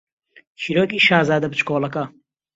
چیرۆکی شازادە بچکۆڵەکە